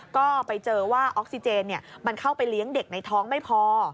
ก็ไปเจอว่าออกซิเจนมันเข้าไปเลี้ยงเด็กในท้องไม่พอ